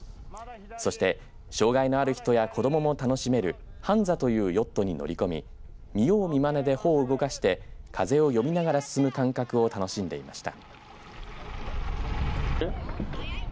そして障害のある人や子どもも楽しめるハンザというヨットに乗り込み見よう見まねで帆を動かして風を読みながら進む感覚を楽しんでいました。